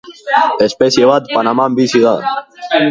Espezie bat Panaman bizi da.